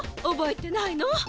おぼえてないの？